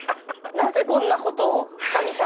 「なぜこんなことを神様」と。